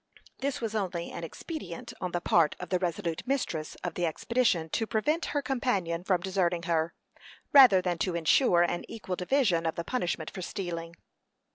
This was only an expedient on the part of the resolute mistress of the expedition to prevent her companion from deserting her, rather than to insure an equal division of the punishment for stealing.